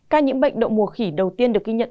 các nhiễm bệnh độ mùa khỉ đầu tiên được ghi nhận